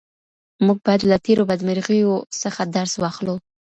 موږ باید له تېرو بدمرغیو څخه درس واخلو.